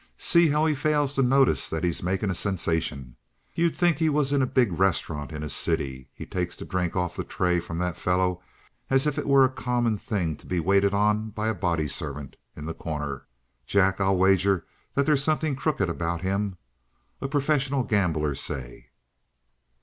"See how he fails to notice that he's making a sensation? You'd think he was in a big restaurant in a city. He takes the drink off the tray from that fellow as if it were a common thing to be waited on by a body servant in The Corner. Jack, I'll wager that there's something crooked about him. A professional gambler, say!"